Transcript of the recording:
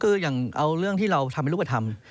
คืออย่างเอาเรื่องที่เราทำให้รูปธรรม